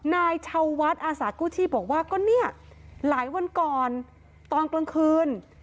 นายชาววัดอาสากู้ชีพบอกว่าก็เนี่ยหลายวันก่อนตอนกลางคืน